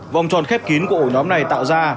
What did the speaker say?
vòng tròn khép kín của ổ nhóm này tạo ra